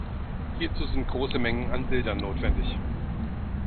Hierzu sind große Mengen an Bildern notwendig.